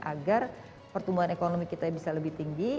agar pertumbuhan ekonomi kita bisa lebih tinggi